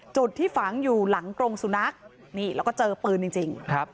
จุดที่ฝังอยู่หลังกรงสุนัขนี่แล้วก็เจอปืนจริง